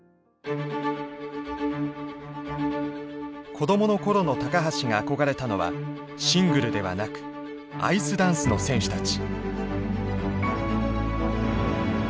子どもの頃の橋が憧れたのはシングルではなくアイスダンスの選手たち。